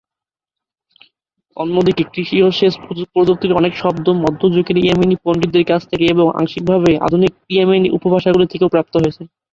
অন্যদিকে, কৃষি ও সেচ প্রযুক্তির অনেক শব্দ মধ্যযুগের ইয়েমেনি পণ্ডিতদের কাজ থেকে এবং আংশিকভাবে আধুনিক ইয়েমেনি উপভাষাগুলি থেকেও প্রাপ্ত হয়েছে।